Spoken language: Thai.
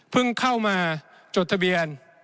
เข้ามาจดทะเบียน